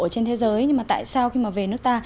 ở trên thế giới nhưng mà tại sao khi mà về nước ta